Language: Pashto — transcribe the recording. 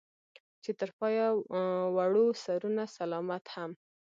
چې تر پايه وړو سرونه سلامت هم